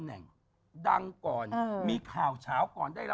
หยุดไปขอหลอกเท้าส้นสูง